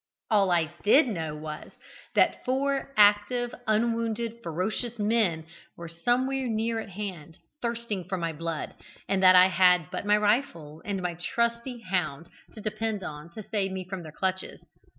_ All I did know was, that four active, unwounded, ferocious men were somewhere near at hand, thirsting for my blood, and that I had but my rifle and my trusty hound to depend on to save me from their clutches.